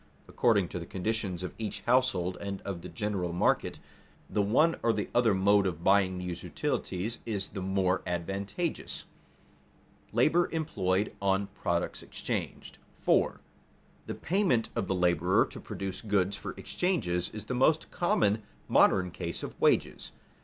According to the conditions of each household and of the general market, the one or the other mode of buying these utilities is the more advantageous. [Sidenote: Labor employed on products exchanged] 4. _The payment of the laborer to produce goods for exchange is the most common modern case of wages.